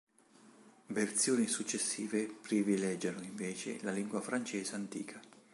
Versioni successive privilegiano invece la lingua francese antica.